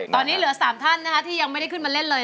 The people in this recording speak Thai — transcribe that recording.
ตอนนี้เหลือ๓ท่านนะคะที่ยังไม่ได้ขึ้นมาเล่นเลย